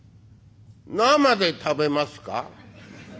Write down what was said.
生で食べますか？